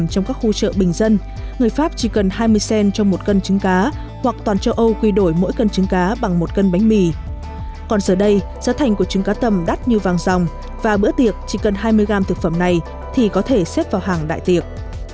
còn giờ đây giá thành của trứng cá tầm đắt như vàng dòng và bữa tiệc chỉ cần hai mươi gram thực phẩm này thì có thể xếp vào hàng đại tiệc